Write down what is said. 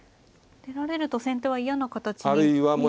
出られると先手は嫌な形に見えますが。